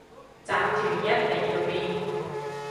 集團一定要變